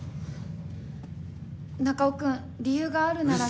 中尾くん理由があるなら。